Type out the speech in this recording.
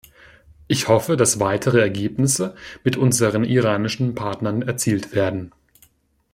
Ich hoffe, dass weitere Ergebnisse mit unseren iranischen Partnern erzielt werden.